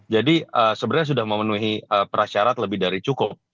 jadi sebenarnya sudah memenuhi prasyarat lebih dari cukup